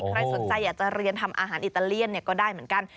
ใครสนใจอยากจะเรียนทำอาหารอิตาเลียนก็ได้เหมือนกัน